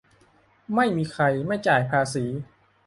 - ไม่มีใครไม่จ่ายภาษี